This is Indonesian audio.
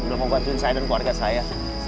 udah membantuin saya dan keluarga saya